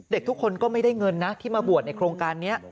เด็กทุกคนก็ไม่ได้เงินนะที่มาบวชในโครงการนี้